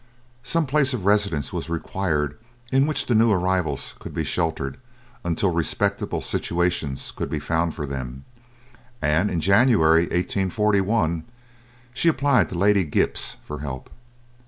Some place of residence was required in which the new arrivals could be sheltered, until respectable situations could be found for them, and in January, 1841, she applied to Lady Gipps for help.